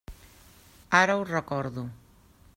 Ara ho recordo.